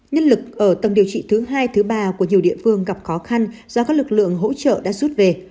nhân lực ở tầng điều trị thứ hai thứ ba của nhiều địa phương gặp khó khăn do các lực lượng hỗ trợ đã rút về